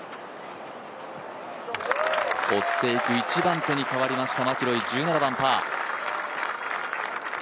追っていく１番手に変わりましたマキロイ、パー。